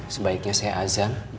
sebaiknya saya ajan